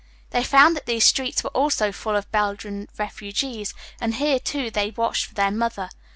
They found that these streets were also full of Belgian refugees, and here, too, they watched for their mother.